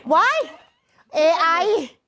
ไว้เอไอ